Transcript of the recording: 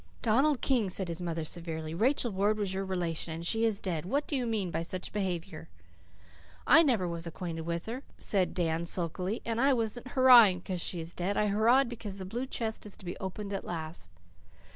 "Donald King," said his mother severely, "Rachel Ward was your relation and she is dead. What do you mean by such behaviour?" "I never was acquainted with her," said Dan sulkily. "And I wasn't hurrahing because she is dead. I hurrahed because that blue chest is to be opened at last."